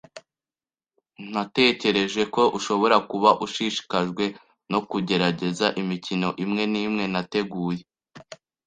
Natekereje ko ushobora kuba ushishikajwe no kugerageza imikino imwe nimwe nateguye.